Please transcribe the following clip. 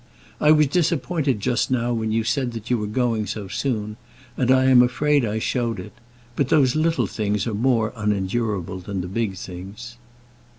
I was disappointed just now when you said that you were going so soon; and I am afraid I showed it. But those little things are more unendurable than the big things."